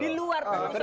di luar itu